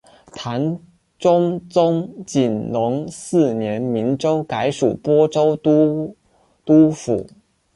唐中宗景龙四年明州改属播州都督府。